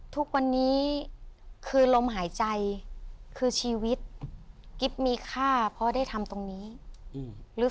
ทุกวันนี้คือลมหายใจคือชีวิตกิ๊บมีค่าเพราะได้ทำตรงนี้หรือ